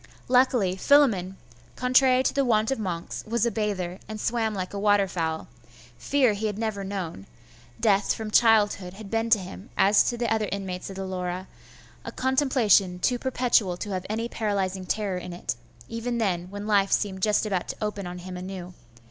Luckily Philammon, contrary to the wont of monks, was a bather, and swam like a water fowl: fear he had never known: death from childhood had been to him, as to the other inmates of the Laura, a contemplation too perpetual to have any paralysing terror in it, even then, when life seemed just about to open on him anew.